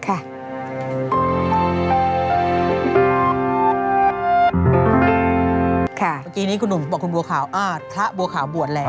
เมื่อกี้นี้คุณหนุ่มบอกคุณบัวขาวพระบัวขาวบวชแล้ว